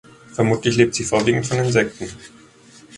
Vermutlich lebt sie vorwiegend von Insekten.